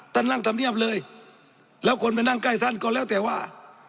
นั่งธรรมเนียบเลยแล้วคนไปนั่งใกล้ท่านก็แล้วแต่ว่า